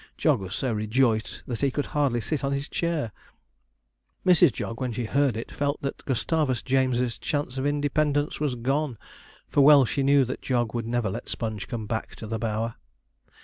Jog was so rejoiced that he could hardly sit on his chair. Mrs. Jog, when she heard it, felt that Gustavus James's chance of independence was gone; for well she knew that Jog would never let Sponge come back to the Bower.